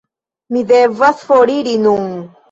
Mi devas foriri nun